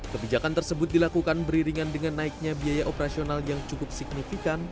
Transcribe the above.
kebijakan tersebut dilakukan beriringan dengan naiknya biaya operasional yang cukup signifikan